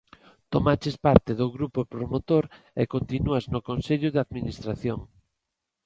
Tomaches parte do grupo promotor e continúas no Consello de Administración.